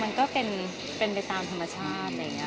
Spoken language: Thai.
มันก็เป็นไปตามธรรมชาติ